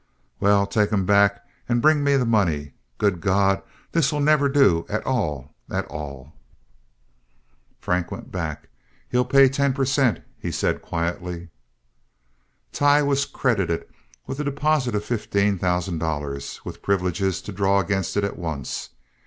Well, take 'em back and bring me the money. Good God, this'll never do at all, at all!" Frank went back. "He'll pay ten per cent.," he said, quietly. Tighe was credited with a deposit of fifteen thousand dollars, with privilege to draw against it at once.